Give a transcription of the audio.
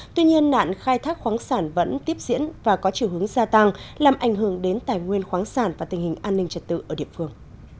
tuy nhiên nạn khai thác khoáng sản vẫn tiếp diễn và có chiều hướng gia tăng làm ảnh hưởng đến tài nguyên khoáng sản và tình hình an ninh trật tự ở địa phương